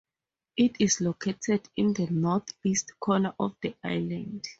It is located in the north-east corner of the island.